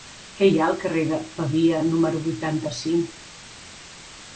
Què hi ha al carrer de Pavia número vuitanta-cinc?